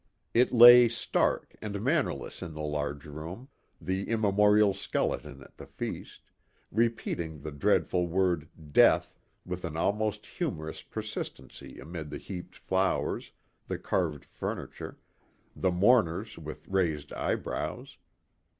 It lay stark and mannerless in the large room the immemorial skeleton at the feast repeating the dreadful word "death" with an almost humorous persistency amid the heaped flowers, the carved furniture, the mourners with raised eyebrows.